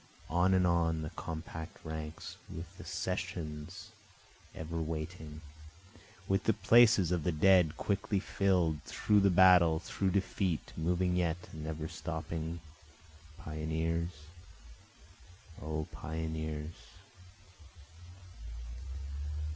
On and on the compact ranks, With accessions ever waiting, with the places of the dead quickly fill'd, Through the battle, through defeat, moving yet and never stopping, Pioneers! O pioneers!